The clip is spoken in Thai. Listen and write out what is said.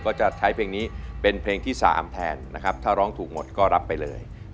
ก็จะใช้เพลงนี้เป็นเพลงที่๓แทนนะครับถ้าร้องถูกหมดก็รับไปเลย